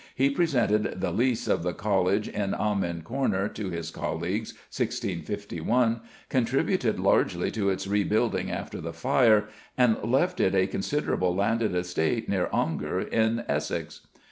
He presented the lease of the College in Amen Corner to his colleagues (1651), contributed largely to its rebuilding after the fire, and left it a considerable landed estate near Ongar, in Essex.